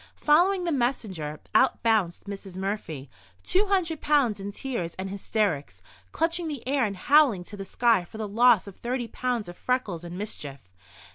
Following the messenger, out bounced Mrs. Murphy—two hundred pounds in tears and hysterics, clutching the air and howling to the sky for the loss of thirty pounds of freckles and mischief.